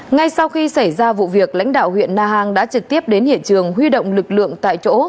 ngay sau khi xảy ra vụ việc lãnh đạo huyện na hàng đã trực tiếp đến hiện trường huy động lực lượng tại chỗ